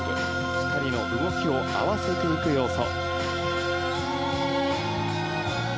２人の動きを合わせていく要素。